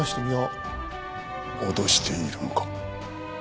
脅しているのか。